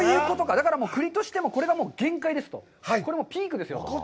だから、栗としても、これが限界ですと、これがピークですと。